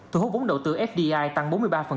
thu hút vốn đầu tư fdi tăng bốn mươi ba